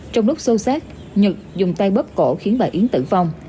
trong lúc sâu sát nhật dùng tay bấp cổ khiến bà yến tử vong